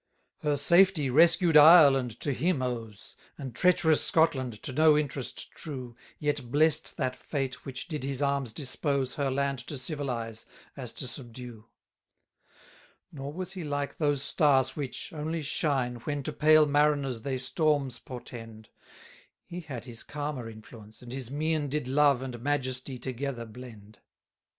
17 Her safety rescued Ireland to him owes; And treacherous Scotland, to no interest true, Yet blest that fate which did his arms dispose Her land to civilize, as to subdue. 18 Nor was he like those stars which, only shine, When to pale mariners they storms portend: He had his calmer influence, and his mien Did love and majesty together blend.